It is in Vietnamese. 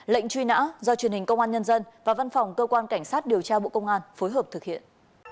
lệnh truy nã do truyền hình công an nhân dân và văn phòng cơ quan cảnh sát điều tra bộ công an phối hợp thực hiện